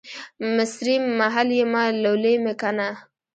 مصریم ، محل یمه ، لولی مې کنه